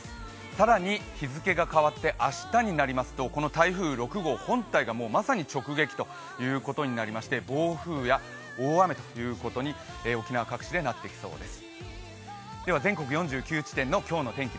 更に日付が変わって明日になりますとこの台風６号本体がまさに直撃ということになりまして、暴風や大雨ということに、沖縄各地でなっていきそうです。